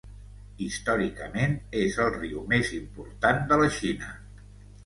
Històricament, és el riu més important de la Xina.